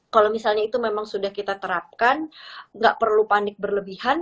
kalau misalnya itu memang sudah kita terapkan nggak perlu panik berlebihan